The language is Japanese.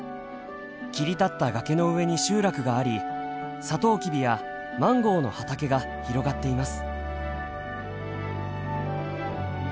切り立った崖の上に集落がありサトウキビやマンゴーの畑が広がっています。